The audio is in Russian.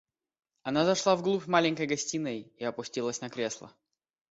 Она зашла в глубь маленькой гостиной и опустилась на кресло.